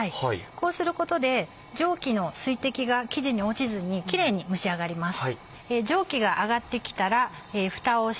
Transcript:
こうすることで蒸気の水滴が生地に落ちずにキレイに蒸し上がります。